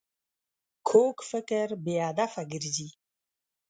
کوږ فکر بې هدفه ګرځي